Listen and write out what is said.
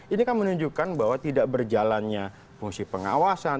ini kan menunjukkan bahwa tidak berjalannya fungsi pengawasan